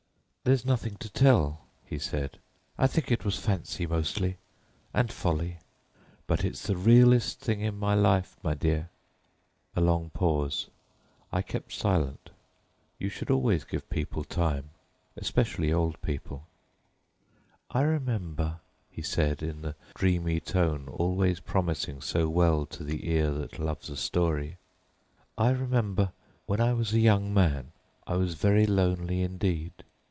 "There's nothing to tell," he said. "I think it was fancy, mostly, and folly; but it's the realest thing in my long life, my dear." A long pause. I kept silence. "Hurry no man's cattle" is a good motto, especially with old people. "I remember," he said in the dreamy tone always promising so well to the ear that a story delighteth—"I remember, when I was a young man, I was very lonely indeed.